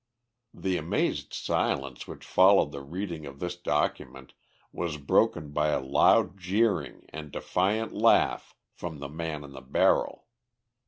The amazed silence which followed the reading of this document was broken by a loud jeering and defiant laugh from the man on the barrel.